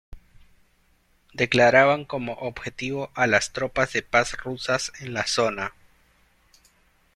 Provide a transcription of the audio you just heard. Declaraban como objetivo a las tropas de paz rusas en la zona.